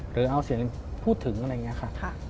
หรือเอาเสียงพูดถึงอะไรอย่างนี้ค่ะ